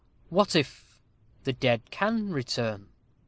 "What if the dead can return?"